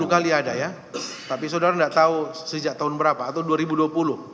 sepuluh kali ada ya tapi saudara tidak tahu sejak tahun berapa atau dua ribu dua puluh